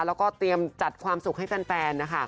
แล้วก็เตรียมจัดความสุขให้แฟนนะคะ